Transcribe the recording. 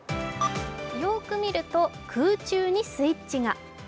よく見ると、空中にスイッチが。